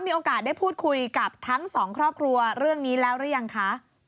มีโอกาสได้พูดคุยกับทั้งสองครอบครัวเรื่องนี้แล้วหรือยังคะ